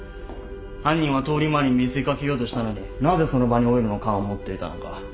犯人は通り魔に見せかけようとしたのになぜその場にオイルの缶を持っていたのか。